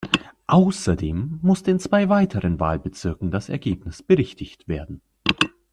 Außerdem musste in zwei weiteren Wahlbezirken das Ergebnis berichtigt werden.